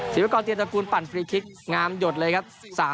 ศิลกรเตียตระกูลปั่นฟรีคลิกงามหยดเลยครับ